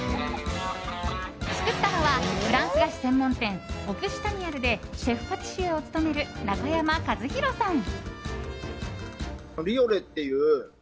作ったのはフランス菓子専門店オクシタニアルでシェフパティシエを務める中山和大さん。